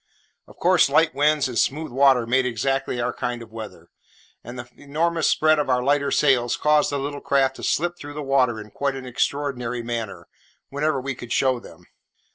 Of course, light winds and smooth water made exactly our kind of weather; and the enormous spread of our lighter sails caused the little craft to slip through the water in quite an extraordinary manner, whenever we could show them.